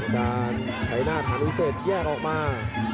ชัยหน้าฐานวิเศษแยกออกมา